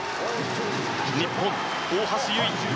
日本、大橋悠依。